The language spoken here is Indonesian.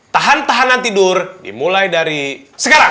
tahan tahanan tidur dimulai dari sekarang